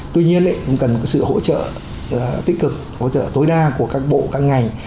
tuy nhiên cũng cần sự hỗ trợ tích cực hỗ trợ tối đa của các bộ các ngành